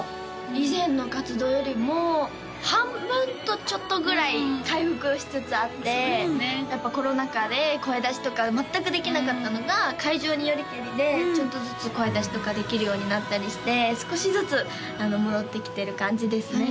以前の活動よりも半分とちょっとぐらい回復しつつあってやっぱコロナ禍で声出しとか全くできなかったのが会場によりけりでちょっとずつ声出しとかできるようになったりして少しずつ戻ってきてる感じですね